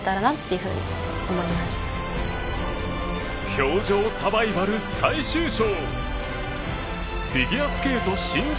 氷上サバイバル最終章。